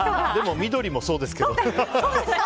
緑もそうですけど。